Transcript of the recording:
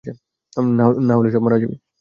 না হলে সব মারা যাবি।